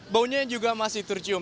baunya juga masih tercium